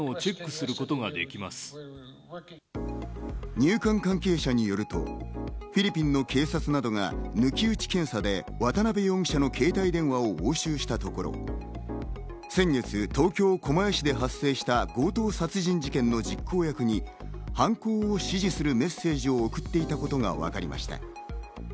入管関係者によると、フィリピンの警察などが抜き打ち検査で渡辺容疑者の携帯電話を押収したところ、先月、東京・狛江市で発生した強盗殺人事件の実行役に犯行を指示するメッセージを送っていたことがわかりました。